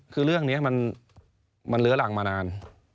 คือเรื่องนี้มันเลื้อรังมานาน